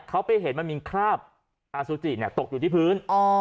เขาไปเห็นมันมีคราบเคอาร์ซูจินี่ตกอยู่ที่พื้น